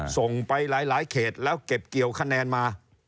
ส่งไปหลายเขตแล้วเก็บเกี่ยวคะแนนมา